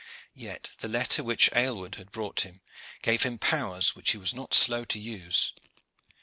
Yet the letter which Aylward had brought him gave him powers which he was not slow to use.